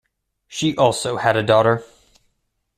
She also had a daughter.